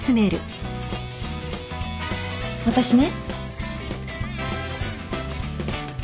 私ね。